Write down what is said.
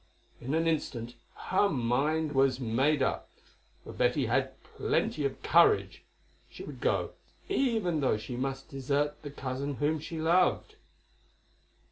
In an instant her mind was made up, for Betty had plenty of courage. She would go, even though she must desert the cousin whom she loved.